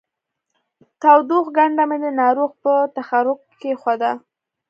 تودوښ کنډه مې د ناروغ په تخرګ کې کېښوده